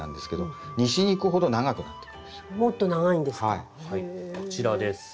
はいこちらです。